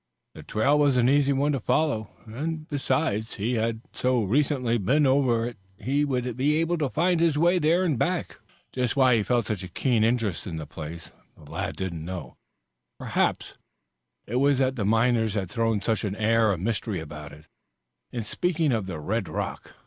The trail was an easy one to follow and, besides, he had so recently been over it that he would be able to find his way there and back. Just why he felt such a keen interest in the place the lad did not know. Perhaps it was that the miners had thrown such an air of mystery about it in speaking of the red rock.